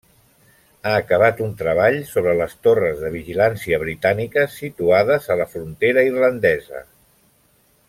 Ha acabat un treball sobre les torres de vigilància britàniques situades a la frontera irlandesa.